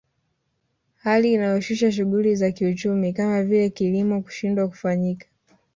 Hali inayoshusha shughuli za kiuchumi kama vile kilimo kushindwa kufanyika